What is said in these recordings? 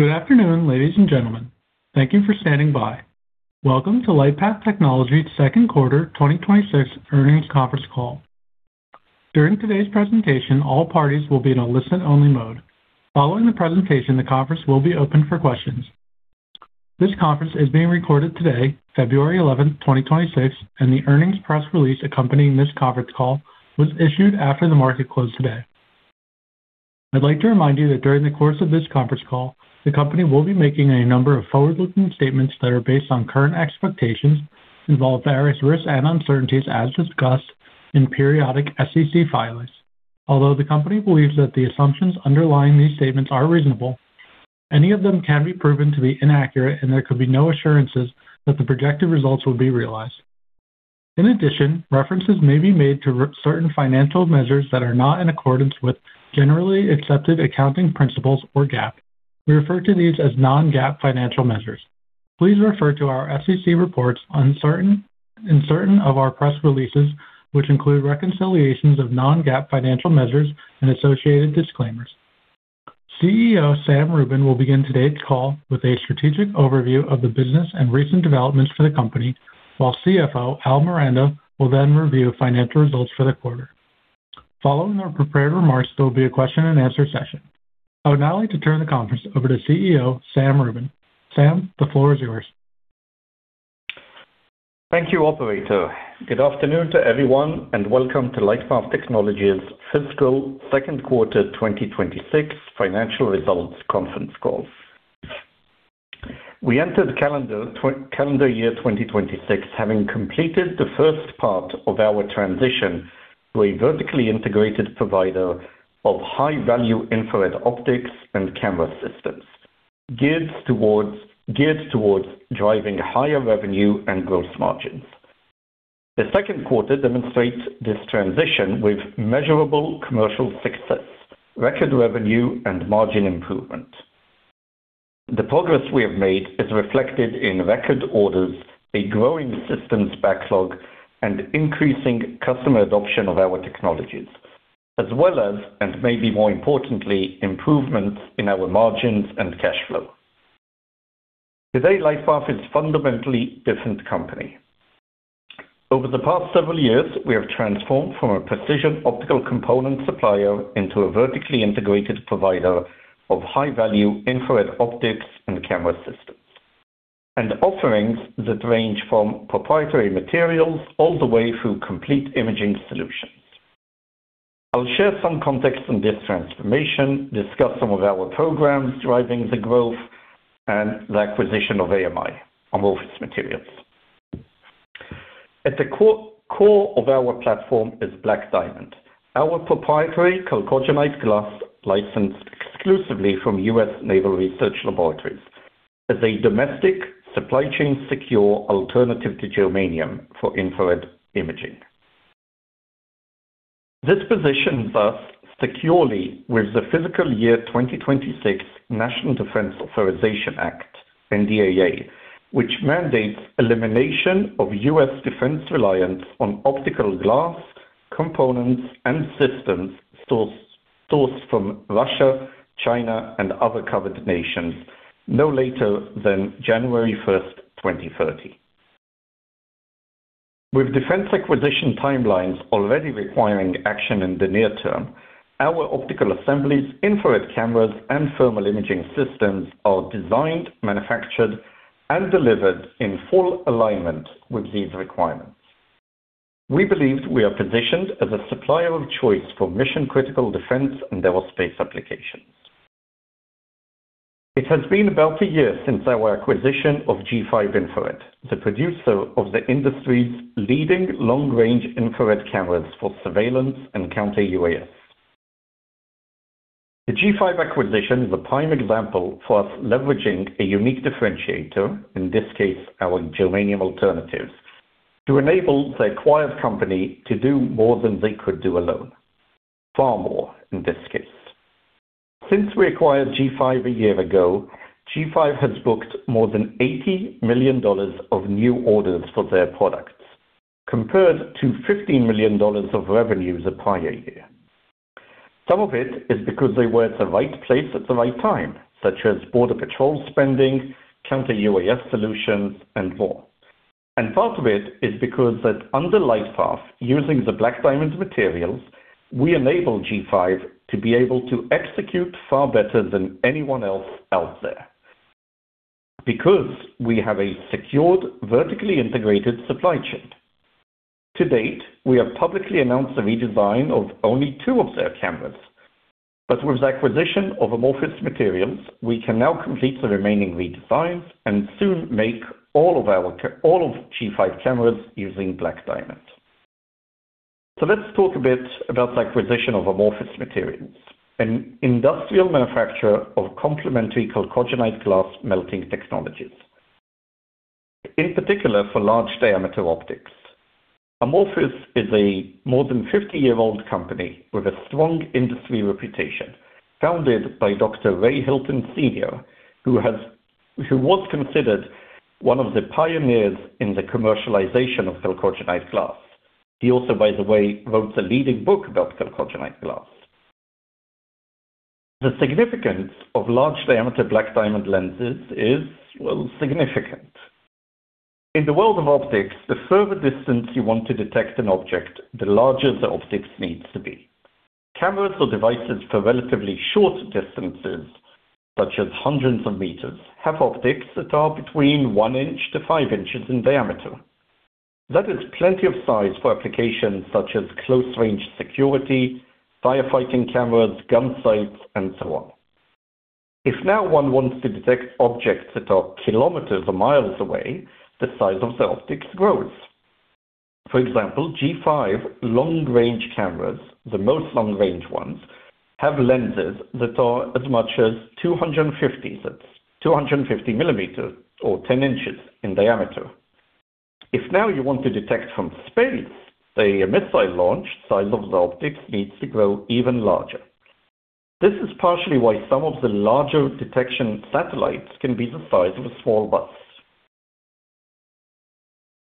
Good afternoon, ladies and gentlemen. Thank you for standing by. Welcome to LightPath Technologies' second quarter 2026 earnings conference call. During today's presentation, all parties will be in a listen-only mode. Following the presentation, the conference will be open for questions. This conference is being recorded today, February 11, 2026, and the earnings press release accompanying this conference call was issued after the market closed today. I'd like to remind you that during the course of this conference call, the company will be making a number of forward-looking statements that are based on current expectations involving various risks and uncertainties as discussed in periodic SEC filings. Although the company believes that the assumptions underlying these statements are reasonable, any of them can be proven to be inaccurate and there could be no assurances that the projected results will be realized. In addition, references may be made to certain financial measures that are not in accordance with generally accepted accounting principles or GAAP. We refer to these as non-GAAP financial measures. Please refer to our SEC reports on certain of our press releases, which include reconciliations of non-GAAP financial measures and associated disclaimers. CEO Sam Rubin will begin today's call with a strategic overview of the business and recent developments for the company, while CFO Al Miranda will then review financial results for the quarter. Following our prepared remarks, there will be a question-and-answer session. I would now like to turn the conference over to CEO Sam Rubin. Sam, the floor is yours. Thank you, Operator. Good afternoon to everyone and welcome to LightPath Technologies' fiscal second quarter 2026 financial results conference call. We entered calendar year 2026 having completed the first part of our transition to a vertically integrated provider of high-value infrared optics and camera systems, geared towards driving higher revenue and gross margins. The second quarter demonstrates this transition with measurable commercial success, record revenue, and margin improvement. The progress we have made is reflected in record orders, a growing systems backlog, and increasing customer adoption of our technologies, as well as, and maybe more importantly, improvements in our margins and cash flow. Today, LightPath is a fundamentally different company. Over the past several years, we have transformed from a precision optical component supplier into a vertically integrated provider of high-value infrared optics and camera systems, and offerings that range from proprietary materials all the way through complete imaging solutions. I'll share some context on this transformation, discuss some of our programs driving the growth, and the acquisition of AMI, our Amorphous Materials. At the core of our platform is Black Diamond, our proprietary chalcogenide glass licensed exclusively from U.S. Naval Research Laboratory as a domestic supply chain-secure alternative to germanium for infrared imaging. This positions us securely with the fiscal year 2026 National Defense Authorization Act, NDAA, which mandates elimination of U.S. defense reliance on optical glass components and systems sourced from Russia, China, and other covered nations no later than January 1, 2030. With defense acquisition timelines already requiring action in the near term, our optical assemblies, infrared cameras, and thermal imaging systems are designed, manufactured, and delivered in full alignment with these requirements. We believe we are positioned as a supplier of choice for mission-critical defense and aerospace applications. It has been about a year since our acquisition of G5 Infrared, the producer of the industry's leading long-range infrared cameras for surveillance and Counter-UAS. The G5 acquisition is a prime example for us leveraging a unique differentiator, in this case, our germanium alternatives, to enable the acquired company to do more than they could do alone, far more in this case. Since we acquired G5 a year ago, G5 has booked more than $80 million of new orders for their products, compared to $15 million of revenues the prior year. Some of it is because they were at the right place at the right time, such as Border Patrol spending, Counter-UAS solutions, and more. Part of it is because that under LightPath, using the Black Diamond materials, we enable G5 to be able to execute far better than anyone else out there because we have a secured vertically integrated supply chain. To date, we have publicly announced a redesign of only two of their cameras, but with the acquisition of Amorphous Materials, we can now complete the remaining redesigns and soon make all of G5 cameras using Black Diamond. Let's talk a bit about the acquisition of Amorphous Materials, an industrial manufacturer of complementary chalcogenide glass melting technologies, in particular for large-diameter optics. Amorphous Materials is a more than 50-year-old company with a strong industry reputation, founded by Dr. Ray Hilton Sr., who was considered one of the pioneers in the commercialization of chalcogenide glass. He also, by the way, wrote the leading book about chalcogenide glass. The significance of large-diameter Black Diamond lenses is, well, significant. In the world of optics, the further distance you want to detect an object, the larger the optics needs to be. Cameras or devices for relatively short distances, such as hundreds of meters, have optics that are between 1-5 inches in diameter. That is plenty of size for applications such as close-range security, firefighting cameras, gun sights, and so on. If now one wants to detect objects that are kilometers or miles away, the size of the optics grows. For example, G5 long-range cameras, the most long-range ones, have lenses that are as much as 250 millimeters or 10 inches in diameter. If now you want to detect from space, say, a missile launch, the size of the optics needs to grow even larger. This is partially why some of the larger detection satellites can be the size of a small bus.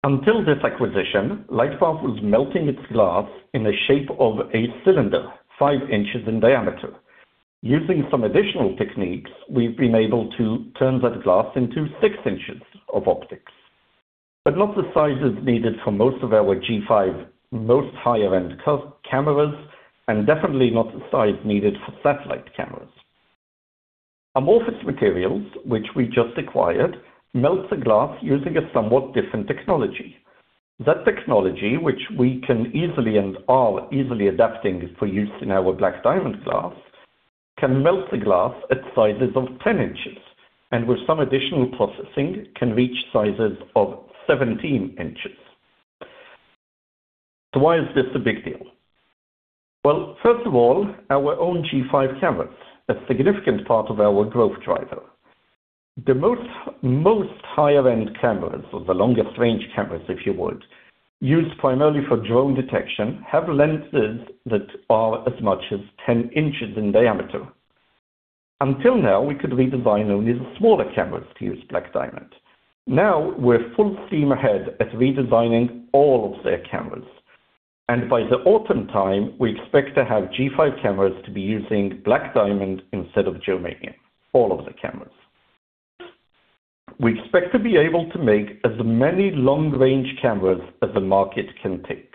Until this acquisition, LightPath was melting its glass in the shape of a cylinder, 5 inches in diameter. Using some additional techniques, we've been able to turn that glass into 6 inches of optics, but not the sizes needed for most of our G5 most higher-end cameras and definitely not the size needed for satellite cameras. Amorphous Materials, which we just acquired, melt the glass using a somewhat different technology. That technology, which we can easily and are easily adapting for use in our Black Diamond glass, can melt the glass at sizes of 10 inches, and with some additional processing, can reach sizes of 17 inches. So why is this a big deal? Well, first of all, our own G5 cameras, a significant part of our growth driver. The most higher-end cameras, or the longest-range cameras, if you would, used primarily for drone detection, have lenses that are as much as 10 inches in diameter. Until now, we could redesign only the smaller cameras to use Black Diamond. Now we're full steam ahead at redesigning all of their cameras. By the autumn time, we expect to have G5 cameras to be using Black Diamond instead of germanium, all of the cameras. We expect to be able to make as many long-range cameras as the market can take.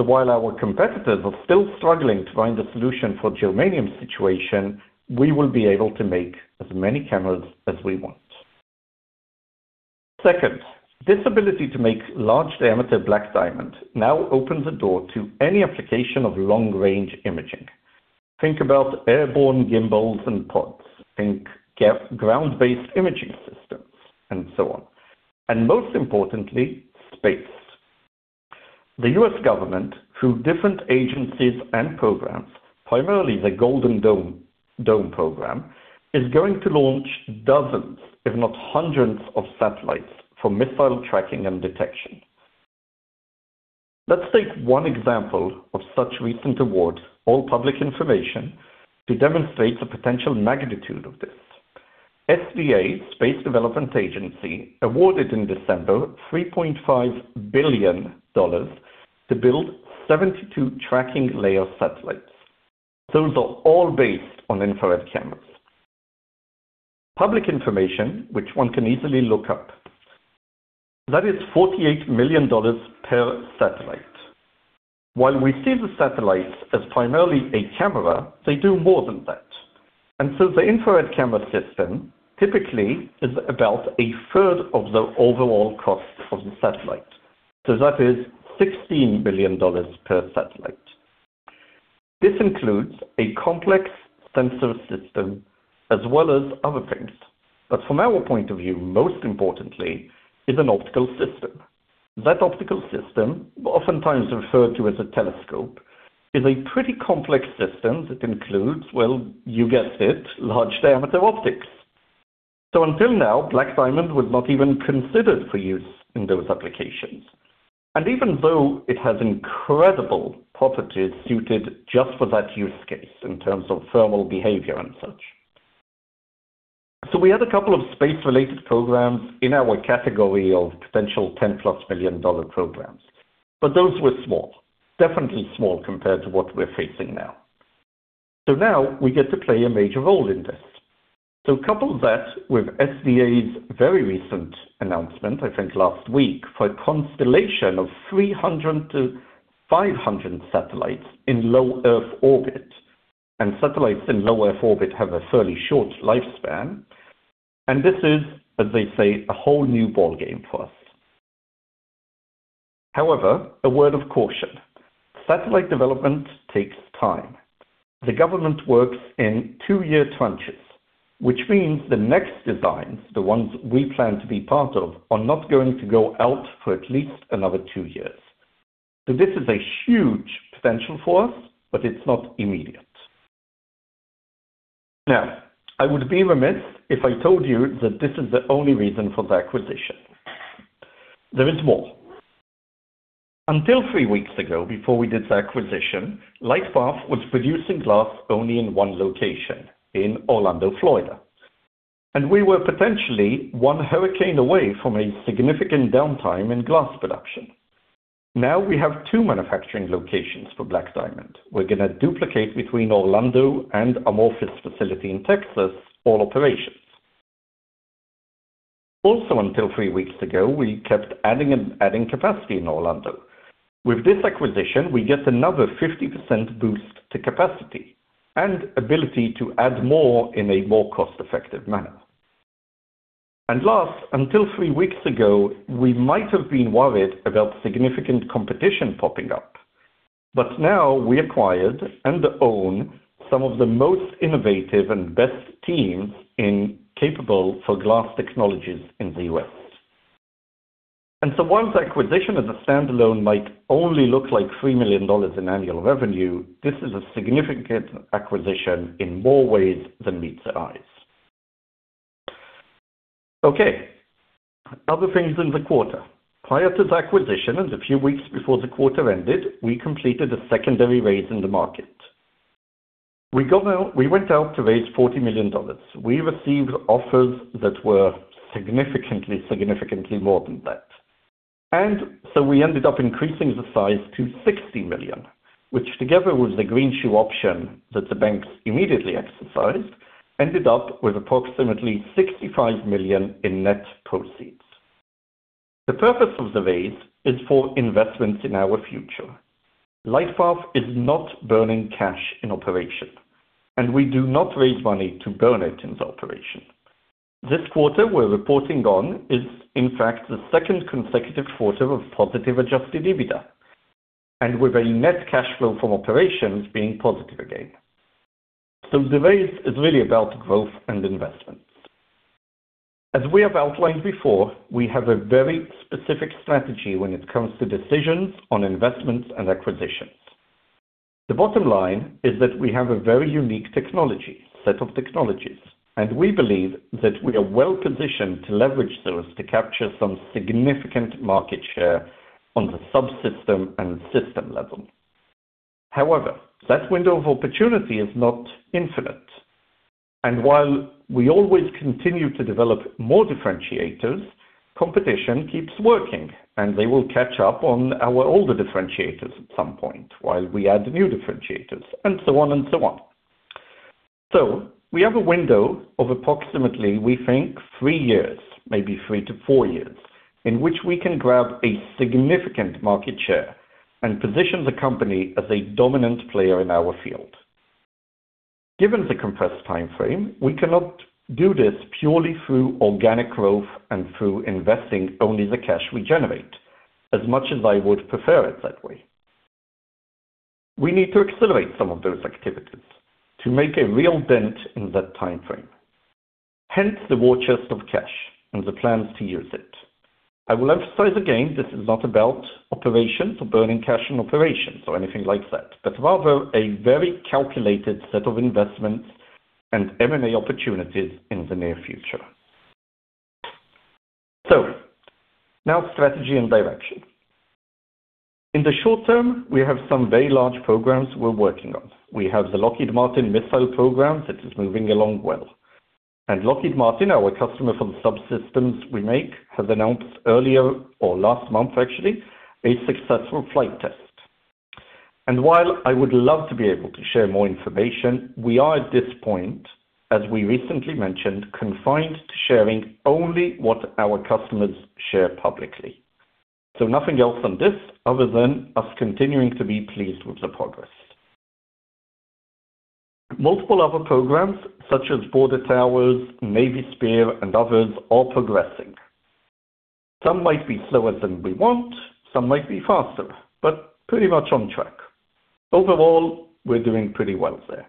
So while our competitors are still struggling to find a solution for germanium situation, we will be able to make as many cameras as we want. Second, this ability to make large-diameter Black Diamond now opens the door to any application of long-range imaging. Think about airborne gimbals and pods. Think ground-based imaging systems, and so on. Most importantly, space. The U.S. government, through different agencies and programs, primarily the Golden Dome program, is going to launch dozens, if not hundreds, of satellites for missile tracking and detection. Let's take one example of such recent awards, all public information, to demonstrate the potential magnitude of this. SDA, Space Development Agency, awarded in December $3.5 billion to build 72 Tracking Layer satellites. Those are all based on infrared cameras. Public information, which one can easily look up, that is $48 million per satellite. While we see the satellites as primarily a camera, they do more than that. And so the infrared camera system typically is about a third of the overall cost of the satellite. So that is $16 million per satellite. This includes a complex sensor system as well as other things. But from our point of view, most importantly, is an optical system. That optical system, oftentimes referred to as a telescope, is a pretty complex system that includes, well, you guessed it, large-diameter optics. So until now, Black Diamond was not even considered for use in those applications, and even though it has incredible properties suited just for that use case in terms of thermal behavior and such. So we had a couple of space-related programs in our category of potential $10+ million programs, but those were small, definitely small compared to what we're facing now. So now we get to play a major role in this. So couple that with SDA's very recent announcement, I think last week, for a constellation of 300-500 satellites in low Earth orbit. And satellites in low Earth orbit have a fairly short lifespan. And this is, as they say, a whole new ballgame for us. However, a word of caution. Satellite development takes time. The government works in two-year tranches, which means the next designs, the ones we plan to be part of, are not going to go out for at least another two years. So this is a huge potential for us, but it's not immediate. Now, I would be remiss if I told you that this is the only reason for the acquisition. There is more. Until three weeks ago, before we did the acquisition, LightPath was producing glass only in one location, in Orlando, Florida. And we were potentially one hurricane away from a significant downtime in glass production. Now we have two manufacturing locations for Black Diamond. We're going to duplicate between Orlando and Amorphous facility in Texas, all operations. Also, until three weeks ago, we kept adding and adding capacity in Orlando. With this acquisition, we get another 50% boost to capacity and ability to add more in a more cost-effective manner. And last, until three weeks ago, we might have been worried about significant competition popping up. But now we acquired and own some of the most innovative and best teams capable for glass technologies in the U.S. And so while the acquisition as a standalone might only look like $3 million in annual revenue, this is a significant acquisition in more ways than meets the eyes. Okay. Other things in the quarter. Prior to the acquisition and a few weeks before the quarter ended, we completed a secondary raise in the market. We went out to raise $40 million. We received offers that were significantly, significantly more than that. We ended up increasing the size to $60 million, which together with the greenshoe option that the banks immediately exercised, ended up with approximately $65 million in net proceeds. The purpose of the raise is for investments in our future. LightPath is not burning cash in operation, and we do not raise money to burn it in the operation. This quarter we're reporting on is, in fact, the second consecutive quarter of positive Adjusted EBITDA, and with a net cash flow from operations being positive again. The raise is really about growth and investments. As we have outlined before, we have a very specific strategy when it comes to decisions on investments and acquisitions. The bottom line is that we have a very unique technology, set of technologies, and we believe that we are well positioned to leverage those to capture some significant market share on the subsystem and system level. However, that window of opportunity is not infinite. And while we always continue to develop more differentiators, competition keeps working, and they will catch up on our older differentiators at some point while we add new differentiators, and so on and so on. So we have a window of approximately, we think, three years, maybe three to four years, in which we can grab a significant market share and position the company as a dominant player in our field. Given the compressed time frame, we cannot do this purely through organic growth and through investing only the cash we generate, as much as I would prefer it that way. We need to accelerate some of those activities to make a real dent in that time frame. Hence the war chest of cash and the plans to use it. I will emphasize again, this is not about operations or burning cash in operations or anything like that, but rather a very calculated set of investments and M&A opportunities in the near future. So now strategy and direction. In the short term, we have some very large programs we're working on. We have the Lockheed Martin missile program that is moving along well. Lockheed Martin, our customer for the subsystems we make, has announced earlier or last month, actually, a successful flight test. While I would love to be able to share more information, we are at this point, as we recently mentioned, confined to sharing only what our customers share publicly. So nothing else on this other than us continuing to be pleased with the progress. Multiple other programs, such as Border Towers, Navy SPEIR, and others, are progressing. Some might be slower than we want. Some might be faster, but pretty much on track. Overall, we're doing pretty well there.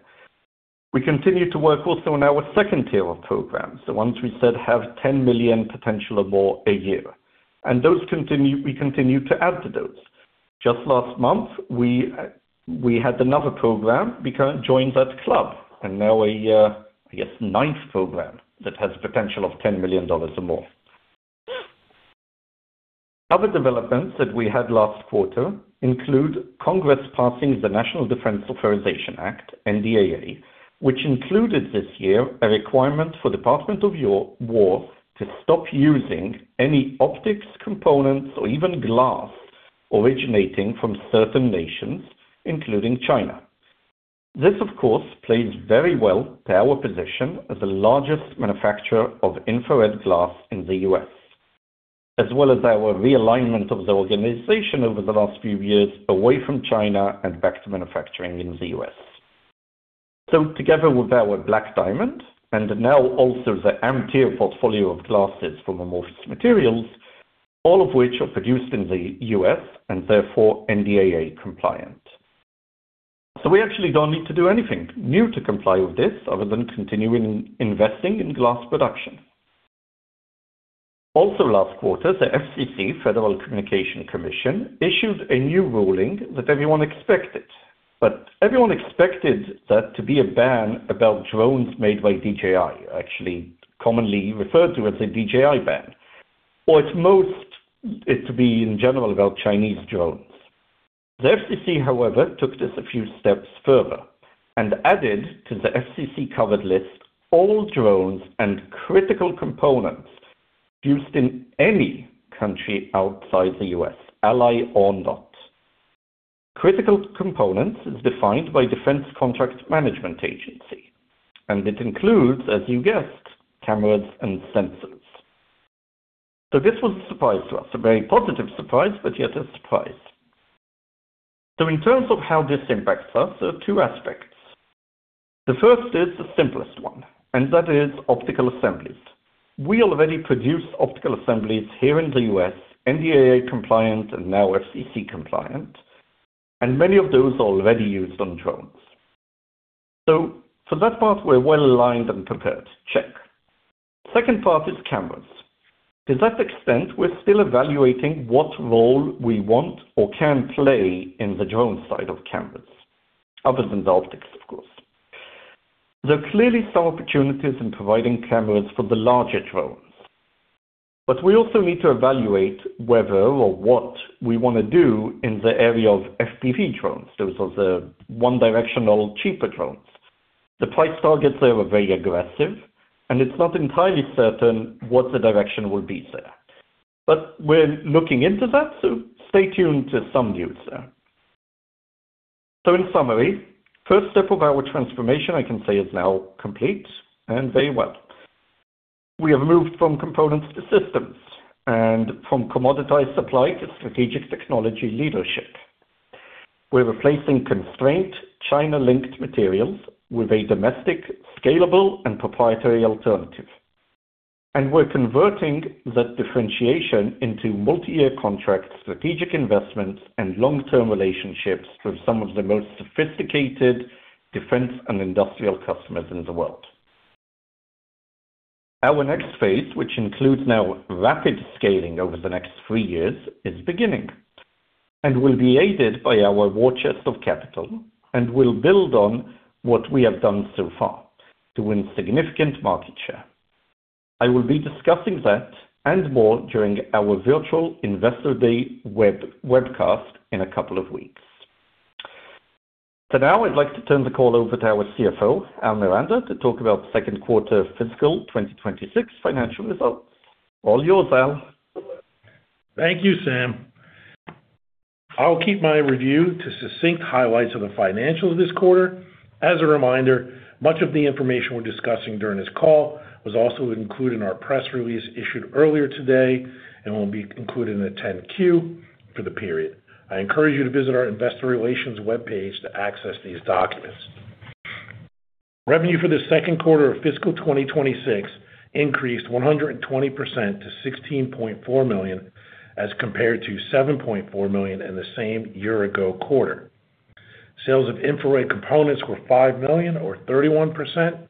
We continue to work also on our second tier of programs, the ones we said have $10 million potential or more a year. And we continue to add to those. Just last month, we had another program join that club, and now, I guess, a ninth program that has the potential of $10 million or more. Other developments that we had last quarter include Congress passing the National Defense Authorization Act, NDAA, which included this year a requirement for the Department of Defense to stop using any optics components or even glass originating from certain nations, including China. This, of course, plays very well to our position as the largest manufacturer of infrared glass in the U.S., as well as our realignment of the organization over the last few years away from China and back to manufacturing in the U.S. So together with our Black Diamond and now also the AMI portfolio of glasses from Amorphous Materials, all of which are produced in the U.S. and therefore NDAA compliant. So we actually don't need to do anything new to comply with this other than continuing investing in glass production. Also, last quarter, the FCC, Federal Communications Commission, issued a new ruling that everyone expected. But everyone expected that to be a ban about drones made by DJI, actually commonly referred to as a DJI ban, or at most it to be, in general, about Chinese drones. The FCC, however, took this a few steps further and added to the FCC covered list all drones and critical components used in any country outside the U.S., ally or not. Critical components is defined by Defense Contract Management Agency, and it includes, as you guessed, cameras and sensors. So this was a surprise to us, a very positive surprise, but yet a surprise. So in terms of how this impacts us, there are two aspects. The first is the simplest one, and that is optical assemblies. We already produce optical assemblies here in the U.S., NDAA compliant and now FCC compliant, and many of those are already used on drones. So for that part, we're well aligned and prepared. Check. Second part is cameras. To that extent, we're still evaluating what role we want or can play in the drone side of cameras, other than the optics, of course. There are clearly some opportunities in providing cameras for the larger drones. But we also need to evaluate whether or what we want to do in the area of FPV drones, those are the one-directional, cheaper drones. The price targets there are very aggressive, and it's not entirely certain what the direction will be there. But we're looking into that, so stay tuned to some news there. So in summary, first step of our transformation, I can say, is now complete and very well. We have moved from components to systems and from commoditized supply to strategic technology leadership. We're replacing constrained China-linked materials with a domestic, scalable, and proprietary alternative. We're converting that differentiation into multi-year contract strategic investments and long-term relationships with some of the most sophisticated defense and industrial customers in the world. Our next phase, which includes now rapid scaling over the next three years, is beginning and will be aided by our war chest of capital and will build on what we have done so far to win significant market share. I will be discussing that and more during our virtual investor day webcast in a couple of weeks. So now I'd like to turn the call over to our CFO, Al Miranda, to talk about second quarter fiscal 2026 financial results. All yours, Al. Thank you, Sam. I'll keep my review to succinct highlights of the financials this quarter. As a reminder, much of the information we're discussing during this call was also included in our press release issued earlier today and will be included in the 10-Q for the period. I encourage you to visit our investor relations webpage to access these documents. Revenue for the second quarter of fiscal 2026 increased 120% to $16.4 million as compared to $7.4 million in the same year-ago quarter. Sales of infrared components were $5 million or 31%.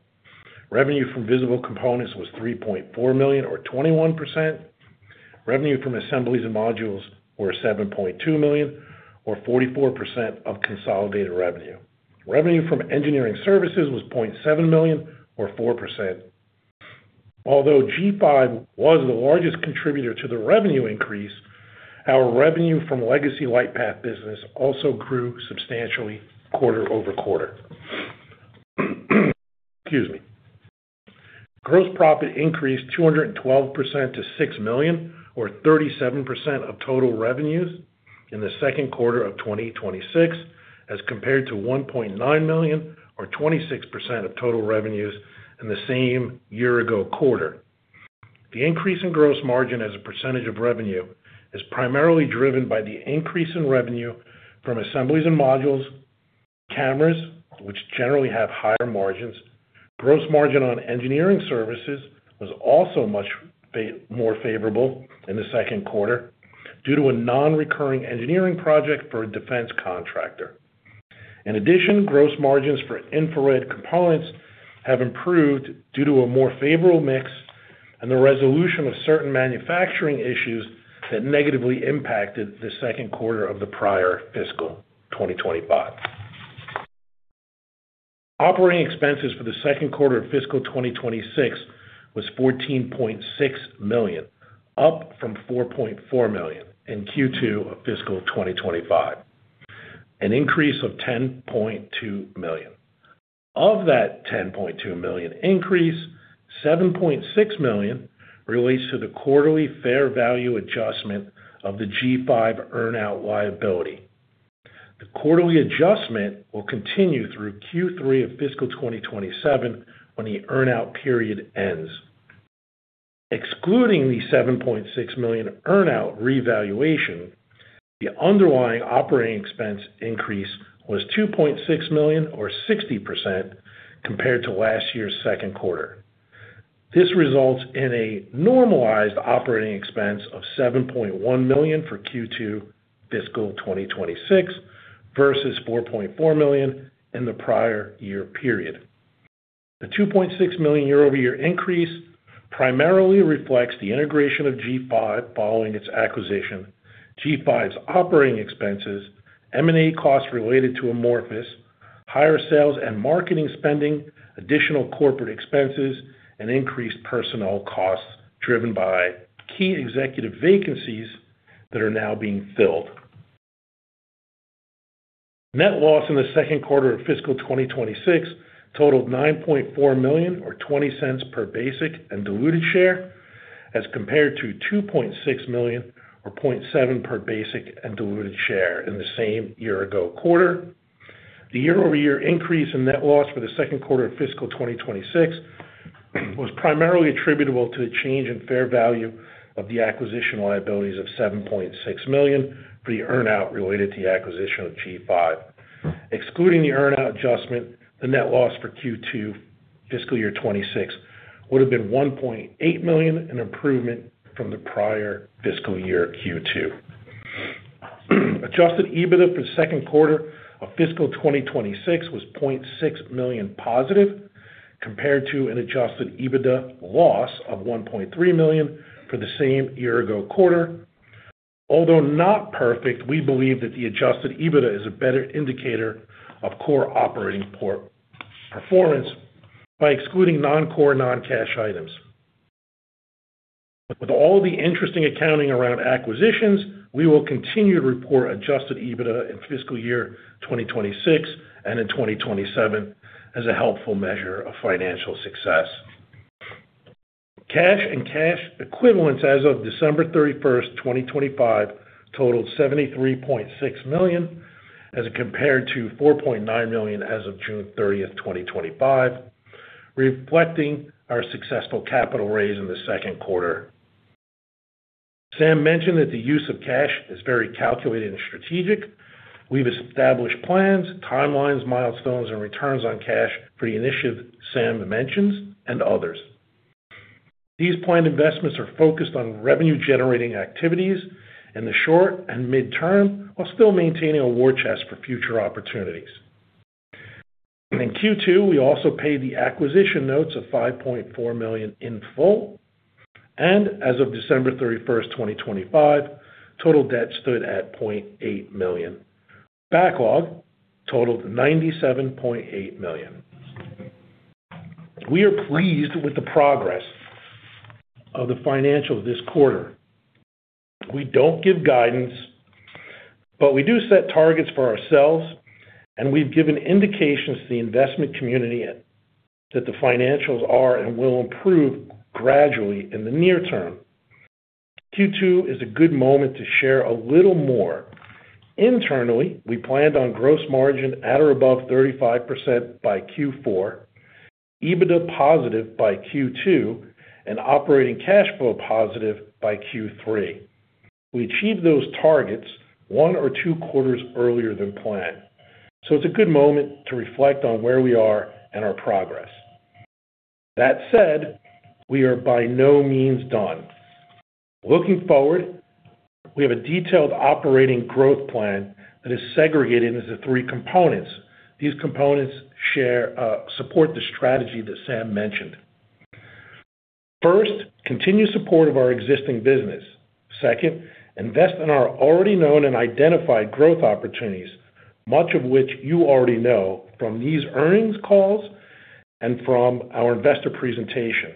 Revenue from visible components was $3.4 million or 21%. Revenue from assemblies and modules were $7.2 million or 44% of consolidated revenue. Revenue from engineering services was $0.7 million or 4%. Although G5 was the largest contributor to the revenue increase, our revenue from legacy LightPath business also grew substantially quarter-over-quarter. Excuse me. Gross profit increased 212% to $6 million or 37% of total revenues in the second quarter of 2026 as compared to $1.9 million or 26% of total revenues in the same year-ago quarter. The increase in gross margin as a percentage of revenue is primarily driven by the increase in revenue from assemblies and modules, cameras, which generally have higher margins. Gross margin on engineering services was also much more favorable in the second quarter due to a non-recurring engineering project for a defense contractor. In addition, gross margins for infrared components have improved due to a more favorable mix and the resolution of certain manufacturing issues that negatively impacted the second quarter of the prior fiscal 2025. Operating expenses for the second quarter of fiscal 2026 was $14.6 million, up from $4.4 million in Q2 of fiscal 2025, an increase of $10.2 million. Of that $10.2 million increase, $7.6 million relates to the quarterly fair value adjustment of the G5 earnout liability. The quarterly adjustment will continue through Q3 of fiscal 2027 when the earnout period ends. Excluding the $7.6 million earnout revaluation, the underlying operating expense increase was $2.6 million or 60% compared to last year's second quarter. This results in a normalized operating expense of $7.1 million for Q2 fiscal 2026 versus $4.4 million in the prior year period. The $2.6 million year-over-year increase primarily reflects the integration of G5 following its acquisition, G5's operating expenses, M&A costs related to Amorphous, higher sales and marketing spending, additional corporate expenses, and increased personnel costs driven by key executive vacancies that are now being filled. Net loss in the second quarter of fiscal 2026 totaled $9.4 million or $0.20 per basic and diluted share as compared to $2.6 million or $0.7 per basic and diluted share in the same year-ago quarter. The year-over-year increase in net loss for the second quarter of fiscal 2026 was primarily attributable to the change in fair value of the acquisition liabilities of $7.6 million for the earnout related to the acquisition of G5. Excluding the earnout adjustment, the net loss for Q2 fiscal year 2026 would have been $1.8 million, an improvement from the prior fiscal year Q2. Adjusted EBITDA for the second quarter of fiscal 2026 was $0.6 million positive compared to an adjusted EBITDA loss of $1.3 million for the same year-ago quarter. Although not perfect, we believe that the adjusted EBITDA is a better indicator of core operating performance by excluding non-core, non-cash items. With all the interesting accounting around acquisitions, we will continue to report adjusted EBITDA in fiscal year 2026 and in 2027 as a helpful measure of financial success. Cash and cash equivalents as of December 31st, 2025, totaled $73.6 million as compared to $4.9 million as of June 30th, 2025, reflecting our successful capital raise in the second quarter. Sam mentioned that the use of cash is very calculated and strategic. We've established plans, timelines, milestones, and returns on cash for the initiative Sam mentions and others. These planned investments are focused on revenue-generating activities in the short and mid-term while still maintaining a war chest for future opportunities. In Q2, we also paid the acquisition notes of $5.4 million in full, and as of December 31st, 2025, total debt stood at $0.8 million. Backlog totaled $97.8 million. We are pleased with the progress of the financials this quarter. We don't give guidance, but we do set targets for ourselves, and we've given indications to the investment community that the financials are and will improve gradually in the near term. Q2 is a good moment to share a little more. Internally, we planned on gross margin at or above 35% by Q4, EBITDA positive by Q2, and operating cash flow positive by Q3. We achieved those targets one or two quarters earlier than planned, so it's a good moment to reflect on where we are and our progress. That said, we are by no means done. Looking forward, we have a detailed operating growth plan that is segregated into three components. These components support the strategy that Sam mentioned. First, continue support of our existing business. Second, invest in our already known and identified growth opportunities, much of which you already know from these earnings calls and from our investor presentation.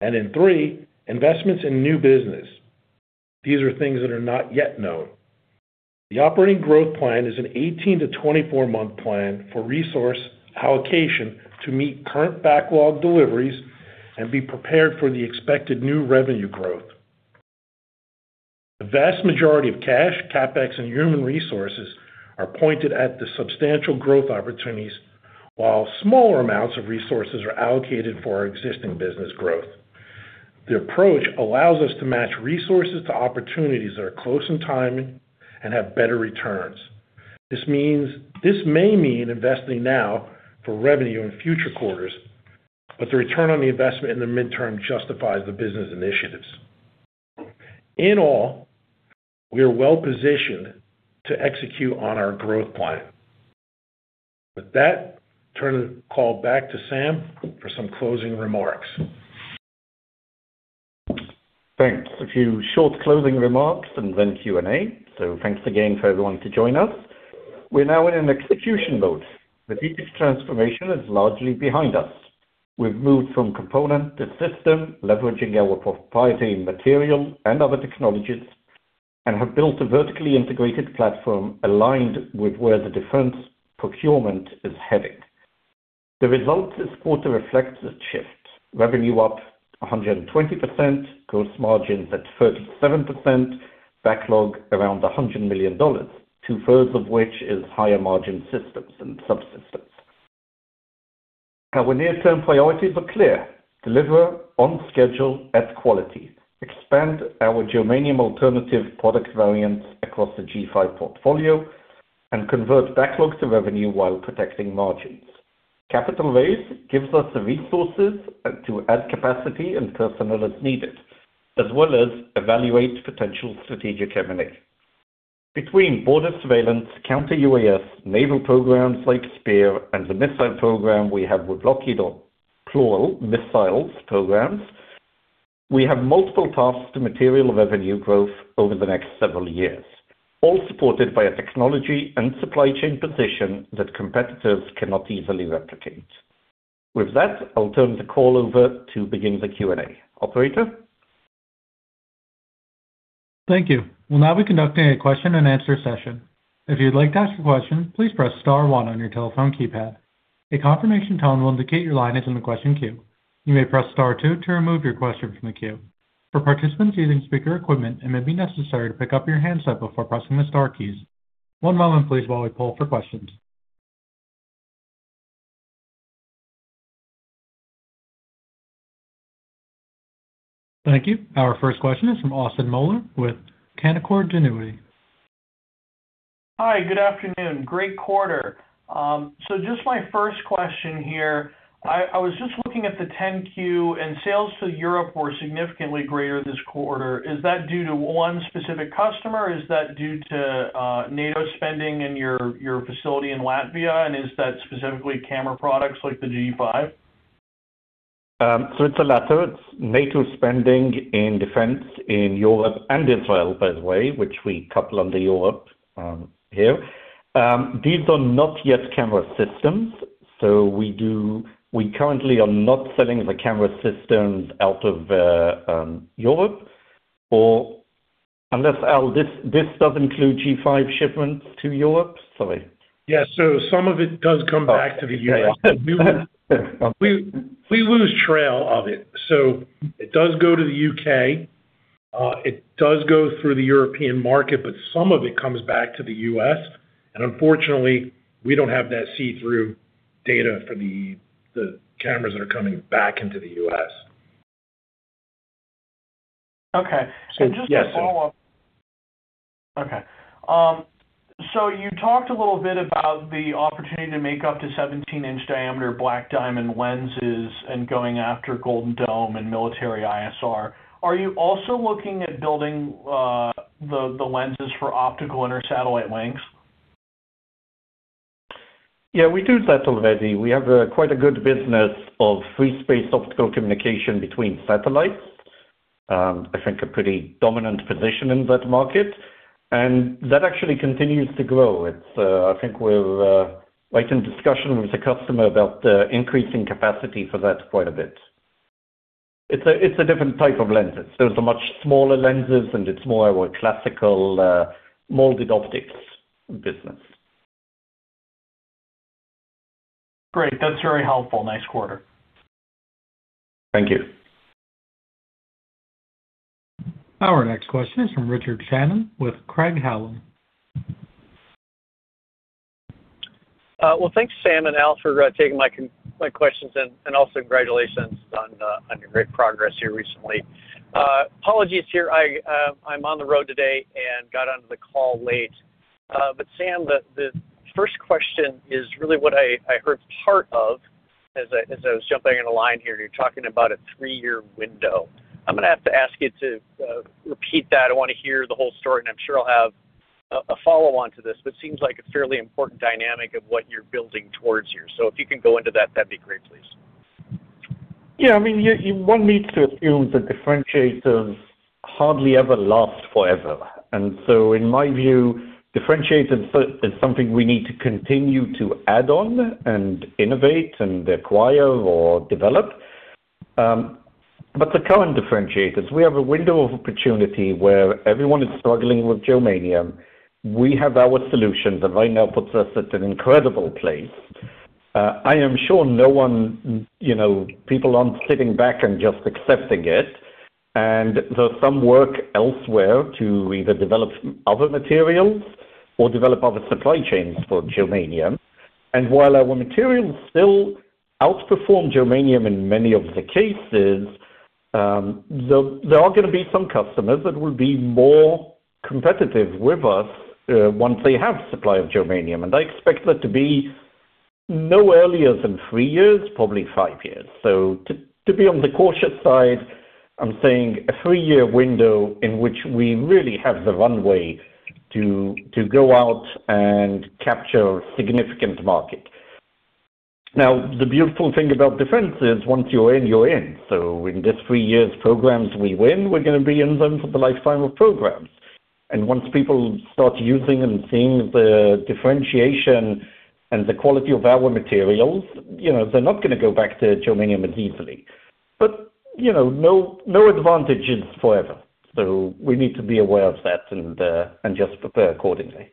And in three, investments in new business. These are things that are not yet known. The operating growth plan is an 18-24-month plan for resource allocation to meet current backlog deliveries and be prepared for the expected new revenue growth. The vast majority of cash, CapEx, and human resources are pointed at the substantial growth opportunities, while smaller amounts of resources are allocated for our existing business growth. The approach allows us to match resources to opportunities that are close in timing and have better returns. This may mean investing now for revenue in future quarters, but the return on the investment in the midterm justifies the business initiatives. In all, we are well positioned to execute on our growth plan. With that, turn the call back to Sam for some closing remarks. Thanks. A few short closing remarks and then Q&A. So thanks again for everyone to join us. We're now in an execution mode. The deepest transformation is largely behind us. We've moved from component to system, leveraging our proprietary material and other technologies, and have built a vertically integrated platform aligned with where the defense procurement is heading. The result this quarter reflects a shift: revenue up 120%, gross margins at 37%, backlog around $100 million, two-thirds of which is higher margin systems and subsystems. Our near-term priorities are clear: deliver on schedule at quality, expand our germanium alternative product variants across the G5 portfolio, and convert backlog to revenue while protecting margins. Capital raise gives us the resources to add capacity and personnel as needed, as well as evaluate potential strategic M&A. Between border surveillance, counter-UAS, naval programs like SPEIR, and the missile program we have with Lockheed Martin missile programs, we have multiple paths to materialize revenue growth over the next several years, all supported by a technology and supply chain position that competitors cannot easily replicate. With that, I'll turn the call over to begin the Q&A. Operator? Thank you. Well, now we're conducting a question-and-answer session. If you'd like to ask a question, please press star one on your telephone keypad. A confirmation tone will indicate your line is in the question queue. You may press star two to remove your question from the queue. For participants using speaker equipment, it may be necessary to pick up your handset before pressing the star keys. One moment, please, while we pull for questions. Thank you. Our first question is from Austin Moeller with Canaccord Genuity. Hi. Good afternoon. Great quarter. So just my first question here. I was just looking at the 10-Q, and sales to Europe were significantly greater this quarter. Is that due to one specific customer, or is that due to NATO spending in your facility in Latvia, and is that specifically camera products like the G5? So it's the latter. It's NATO spending in defense in Europe and Israel, by the way, which we couple under Europe here. These are not yet camera systems, so we currently are not selling the camera systems out of Europe. Unless Al, this does include G5 shipments to Europe? Sorry. Yes. So some of it does come back to the U.S. We lose trail of it. So it does go to the U.K. It does go through the European market, but some of it comes back to the U.S. And unfortunately, we don't have that see-through data for the cameras that are coming back into the U.S. Okay. So just to follow up. Yes. Okay. So you talked a little bit about the opportunity to make up to 17-in diameter Black Diamond lenses and going after Golden Dome and military ISR. Are you also looking at building the lenses for optical intersatellite links? Yeah. We do that already. We have quite a good business of free space optical communication between satellites. I think a pretty dominant position in that market. And that actually continues to grow. I think we're right in discussion with a customer about increasing capacity for that quite a bit. It's a different type of lens. Those are much smaller lenses, and it's more our classical molded optics business. Great. That's very helpful. Nice quarter. Thank you. Our next question is from Richard Shannon with Craig-Hallum. Well, thanks, Sam and Al, for taking my questions, and also congratulations on your great progress here recently. Apologies here. I'm on the road today and got onto the call late. But Sam, the first question is really what I heard part of as I was jumping on a line here. You're talking about a three-year window. I'm going to have to ask you to repeat that. I want to hear the whole story, and I'm sure I'll have a follow-on to this. But it seems like a fairly important dynamic of what you're building towards here. So if you can go into that, that'd be great, please. Yeah. I mean, one needs to assume that differentiators hardly ever last forever. And so in my view, differentiators is something we need to continue to add on and innovate and acquire or develop. But the current differentiators, we have a window of opportunity where everyone is struggling with germanium. We have our solutions that right now puts us at an incredible place. I am sure no one people aren't sitting back and just accepting it. And there's some work elsewhere to either develop other materials or develop other supply chains for germanium. And while our materials still outperform germanium in many of the cases, there are going to be some customers that will be more competitive with us once they have supply of germanium. And I expect that to be no earlier than 3 years, probably 5 years. So to be on the cautious side, I'm saying a 3-year window in which we really have the runway to go out and capture significant market. Now, the beautiful thing about defense is once you're in, you're in. So in this 3 years' programs we win, we're going to be in them for the lifetime of programs. Once people start using and seeing the differentiation and the quality of our materials, they're not going to go back to germanium as easily. But no advantage is forever. So we need to be aware of that and just prepare accordingly.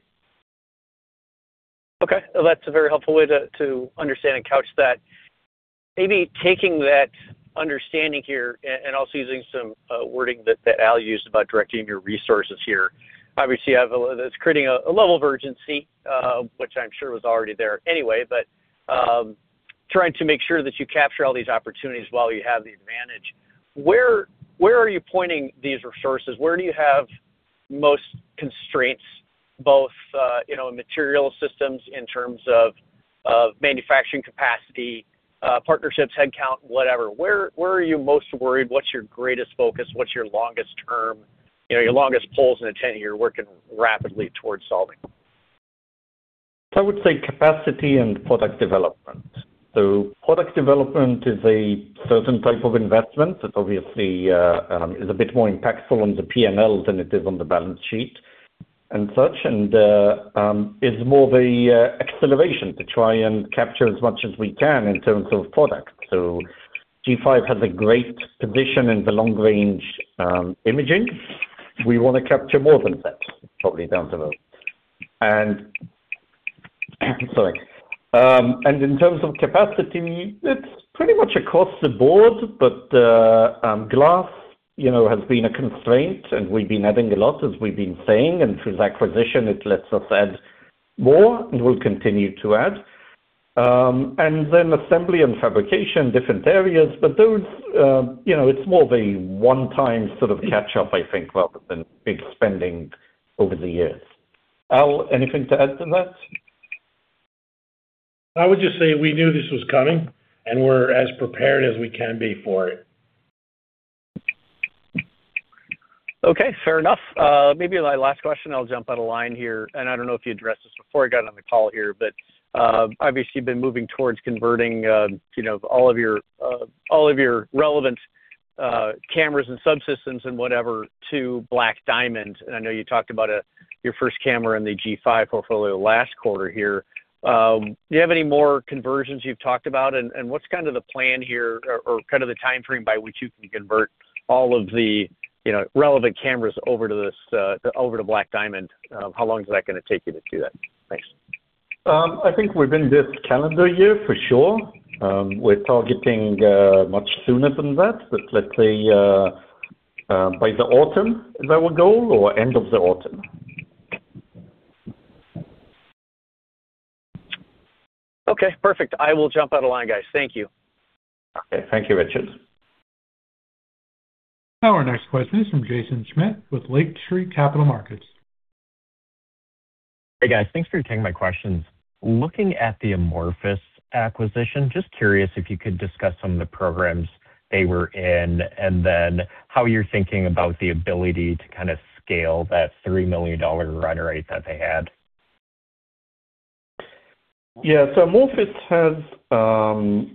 Okay. Well, that's a very helpful way to understand and couch that. Maybe taking that understanding here and also using some wording that Al used about directing your resources here. Obviously, it's creating a level of urgency, which I'm sure was already there anyway, but trying to make sure that you capture all these opportunities while you have the advantage. Where are you pointing these resources? Where do you have most constraints, both in material systems in terms of manufacturing capacity, partnerships, headcount, whatever? Where are you most worried? What's your greatest focus? What's your longest term your longest poles in a 10-year working rapidly towards solving? So I would say capacity and product development. So product development is a certain type of investment that obviously is a bit more impactful on the P&L than it is on the balance sheet and such and is more of an acceleration to try and capture as much as we can in terms of product. So G5 has a great position in the long-range imaging. We want to capture more than that, probably down the road. Sorry. And in terms of capacity, it's pretty much across the board, but glass has been a constraint, and we've been adding a lot, as we've been saying. And through the acquisition, it lets us add more and will continue to add. And then assembly and fabrication, different areas. But it's more of a one-time sort of catch-up, I think, rather than big spending over the years. Al, anything to add to that? I would just say we knew this was coming, and we're as prepared as we can be for it. Okay. Fair enough. Maybe my last question. I'll jump out of line here. And I don't know if you addressed this before I got on the call here, but obviously, you've been moving towards converting all of your relevant cameras and subsystems and whatever to Black Diamond. And I know you talked about your first camera in the G5 portfolio last quarter here. Do you have any more conversions you've talked about? And what's kind of the plan here or kind of the time frame by which you can convert all of the relevant cameras over to Black Diamond? How long is that going to take you to do that? Thanks. I think we've been this calendar year, for sure. We're targeting much sooner than that. But let's say by the autumn is our goal or end of the autumn. Okay. Perfect. I will jump out of line, guys. Thank you. Okay. Thank you, Richard. Our next question is from Jason Schmidt with Lake Street Capital Markets. Hey, guys. Thanks for taking my questions. Looking at the Amorphous acquisition, just curious if you could discuss some of the programs they were in and then how you're thinking about the ability to kind of scale that $3 million run rate that they had. Yeah. So Amorphous has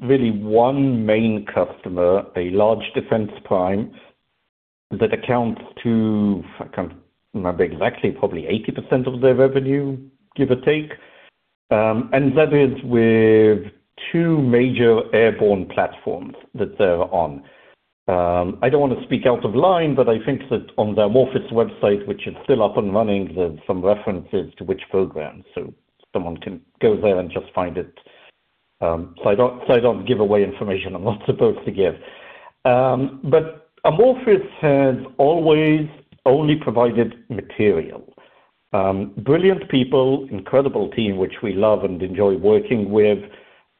really one main customer, a large defense prime that accounts to, I can't remember exactly, probably 80% of their revenue, give or take. And that is with two major airborne platforms that they're on. I don't want to speak out of line, but I think that on the Amorphous website, which is still up and running, there's some references to which programs. So someone can go there and just find it. So I don't give away information I'm not supposed to give. But Amorphous has always only provided material. Brilliant people, incredible team, which we love and enjoy working with,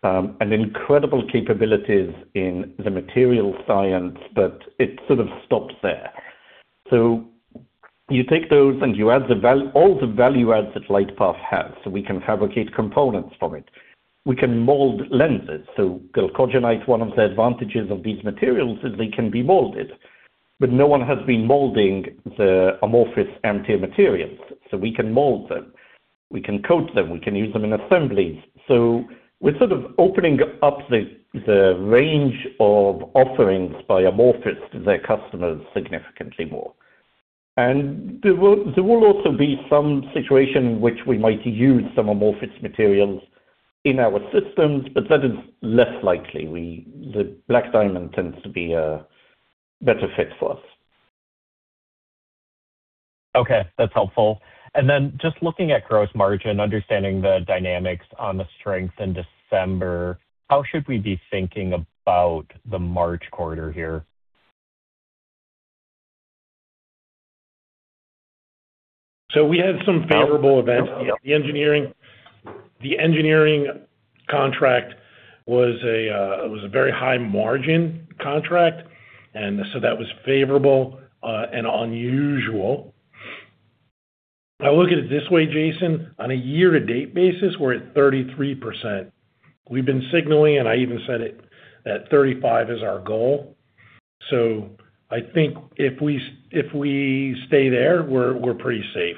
and incredible capabilities in the material science, but it sort of stops there. So you take those, and you add all the value adds that LightPath has. So we can fabricate components from it. We can mold lenses. So chalcogenide, one of the advantages of these materials is they can be molded. But no one has been molding the Amorphous AMI materials. So we can mold them. We can coat them. We can use them in assemblies. So we're sort of opening up the range of offerings by Amorphous to their customers significantly more. And there will also be some situation in which we might use some Amorphous Materials in our systems, but that is less likely. The Black Diamond tends to be a better fit for us. Okay. That's helpful. And then just looking at gross margin, understanding the dynamics on the strength in December, how should we be thinking about the March quarter here? So we had some favorable events. The engineering contract was a very high-margin contract, and so that was favorable and unusual. I'll look at it this way, Jason. On a year-to-date basis, we're at 33%. We've been signaling, and I even said it, that 35% is our goal. So I think if we stay there, we're pretty safe.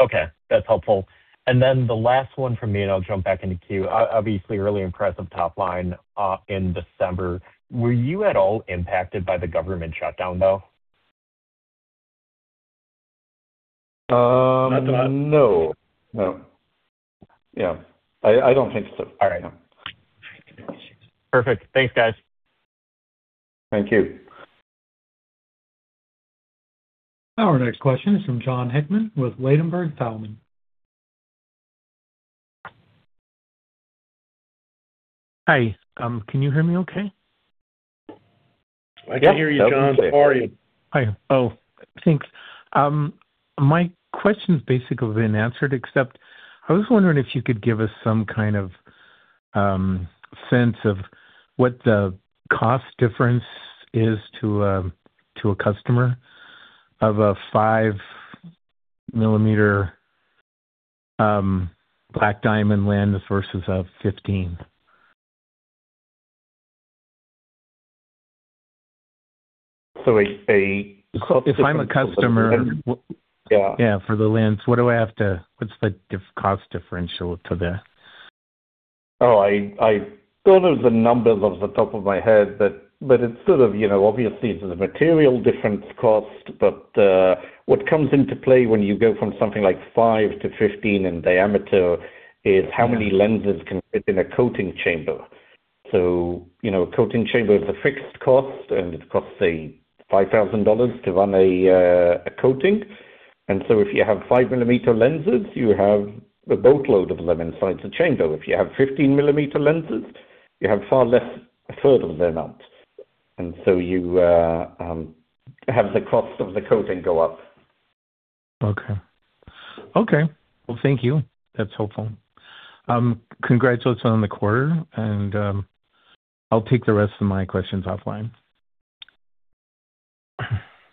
Okay. That's helpful. And then the last one from me, and I'll jump back into queue. Obviously, really impressive top line in December. Were you at all impacted by the government shutdown, though? Not the most. No. No. Yeah. I don't think so. No. All right. Perfect. Thanks, guys. Thank you. Our next question is from Jon Hickman with Ladenburg Thalmann. Hi. Can you hear me okay? I can hear you, John. How are you? Hi. Oh, thanks. My question's basically been answered, except I was wondering if you could give us some kind of sense of what the cost difference is to a customer of a 5-millimeter Black Diamond lens versus a 15. So if I'm a customer, yeah, for the lens, what do I have to what's the cost differential to that? Oh, I don't know the numbers off the top of my head, but it's sort of obviously, it's the material difference cost. But what comes into play when you go from something like 5-15 in diameter is how many lenses can fit in a coating chamber. So a coating chamber is a fixed cost, and it costs say $5,000 to run a coating. And so if you have 5-millimeter lenses, you have a boatload of them inside the chamber. If you have 15-millimeter lenses, you have far less, a third of the amount. And so you have the cost of the coating go up. Okay. Okay. Well, thank you. That's helpful. Congratulations on the quarter, and I'll take the rest of my questions offline.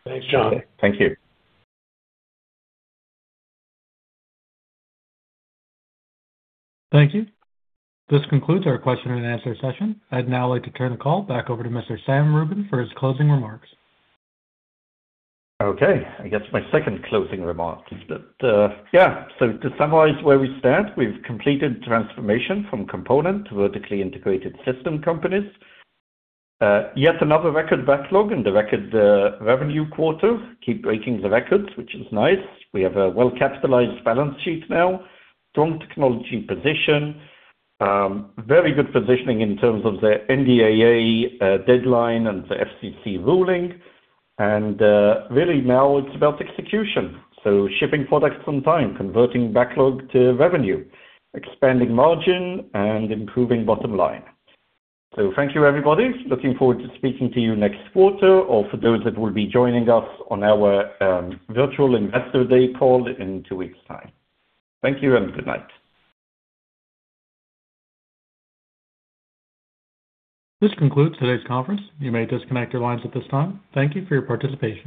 Thanks, Jon. Thank you. Thank you. This concludes our question-and-answer session. I'd now like to turn the call back over to Mr. Sam Rubin for his closing remarks. Okay. I guess my second closing remark. Yeah. So to summarize where we stand, we've completed transformation from component to vertically integrated system companies. Yet another record backlog in the record revenue quarter. Keep breaking the records, which is nice. We have a well-capitalized balance sheet now, strong technology position, very good positioning in terms of the NDAA deadline and the FCC ruling. Really, now it's about execution. So shipping products on time, converting backlog to revenue, expanding margin, and improving bottom line. So thank you, everybody. Looking forward to speaking to you next quarter or for those that will be joining us on our virtual investor day call in two weeks' time. Thank you, and good night. This concludes today's conference. You may disconnect your lines at this time. Thank you for your participation.